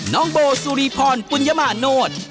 น้องโบสุริพรปุญญมาโนธ